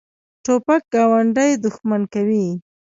توپک ګاونډي دښمن کوي.